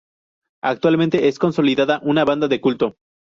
Actualmente es consolidada una banda de culto.